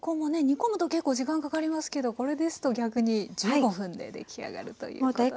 煮込むと結構時間かかりますけどこれですと逆に１５分で出来上がるということです。